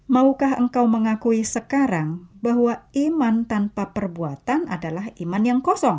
maukah engkau mengakui sekarang bahwa iman tanpa perbuatan adalah iman yang kosong